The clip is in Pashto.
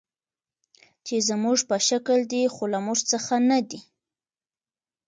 چې زموږ په شکل دي، خو له موږ څخه نه دي.